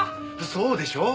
そうでしょう。